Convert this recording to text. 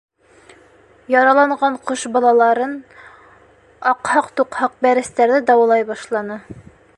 Яраланған ҡош балаларын, аҡһаҡ-туҡһаҡ бәрәстәрҙе дауалай башланы.